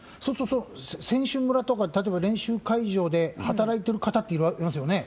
選手村とか練習会場で働いている方っていますよね。